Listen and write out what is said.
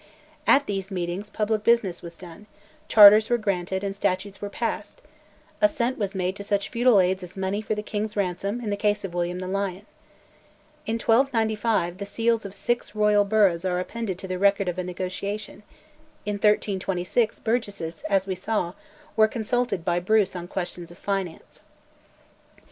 At these meetings public business was done, charters were granted, and statutes were passed; assent was made to such feudal aids as money for the king's ransom in the case of William the Lion. In 1295 the seals of six Royal burghs are appended to the record of a negotiation; in 1326 burgesses, as we saw, were consulted by Bruce on questions of finance.